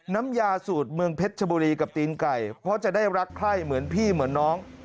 น้ำยาสูตรเมืองเพชรชบุรีกับตีนไก่เพราะจะได้รักไข้เหมือนพี่เหมือนน้อง